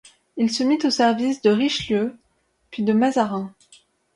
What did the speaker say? Il se mit au service de Richelieu, puis de Mazarin.